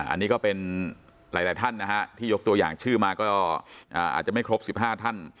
อันนี้ก็เป็นหลายท่านนะฮะที่ยกตัวอย่างชื่อมาก็อาจจะไม่ครบ๑๕ท่าน